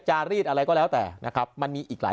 จารีดอะไรก็แล้วแต่นะครับมันมีอีกหลาย